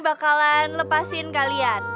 bakalan lepasin kalian